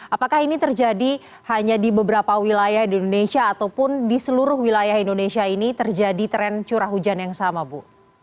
apakah ini terjadi hanya di beberapa wilayah di indonesia ataupun di seluruh wilayah indonesia ini terjadi tren curah hujan yang sama bu